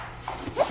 えっ？